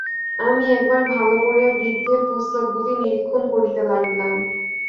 আমি একবার ভালো করিয়া বৃদ্ধের পুস্তকগুলি নিরীক্ষণ করিতে লাগিলাম।